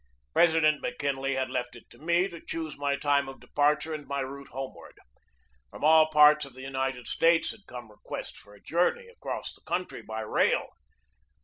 President McKinley had left it to me to choose my time of departure and my route homeward. From all parts of the United States had come re quests for a journey across the country by rail.